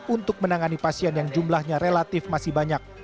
untuk menangani pasien yang jumlahnya relatif masih banyak